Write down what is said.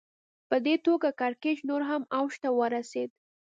په دې توګه کړکېچ نور هم اوج ته ورسېد